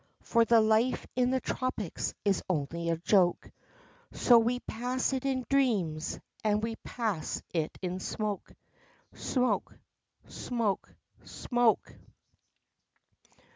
For life in the tropics is only a joke, So we pass it in dreams, and we pass it in smoke, Smoke smoke smoke.